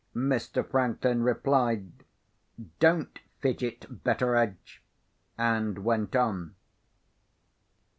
Mr. Franklin replied, "Don't fidget, Betteredge," and went on.